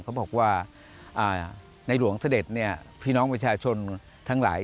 เขาบอกว่าในหลวงเสด็จเนี่ยพี่น้องประชาชนทั้งหลาย